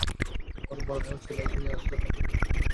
পরে মরদেহ চিলায় নিয়ে আসলে তার পরিবারের সদস্যরা কান্নায় ভেঙে পড়ে।